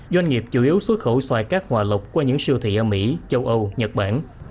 doanh nghiệp chủ yếu xuất khẩu xoài cát hòa lộc qua những siêu thị ở mỹ châu âu nhật bản